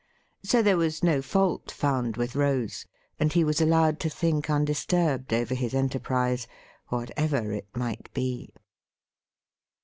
So there was no fault found with Rose, and he was allowed to think un disturbed over his enterprise — whatever it might be.